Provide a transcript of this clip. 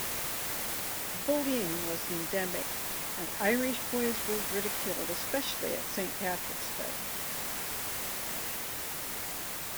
Bullying was endemic and Irish boys were ridiculed, especially at Saint Patrick's Day.